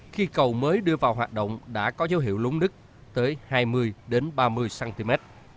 khi cầu mới đưa vào hoạt động đã có dấu hiệu lúng đứt tới hai mươi ba mươi cm